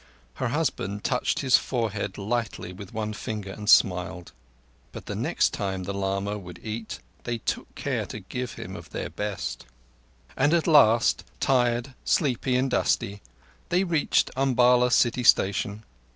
Her husband touched his forehead lightly with one finger and smiled. But the next time the lama would eat they took care to give him of their best. And at last—tired, sleepy, and dusty—they reached Umballa City Station.